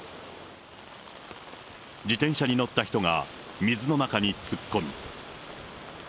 自転車に乗った人が、水の中に突っ込み。